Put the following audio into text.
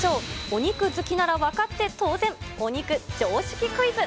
お肉好きなら分かって当然、お肉常識クイズ。